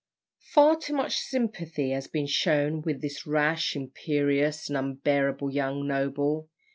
Far too much sympathy has been shown with this rash, imperious, and unbearable young noble.